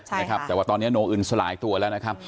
ใช่นะครับแต่ว่าตอนนี้โนอึนสลายตัวแล้วนะครับ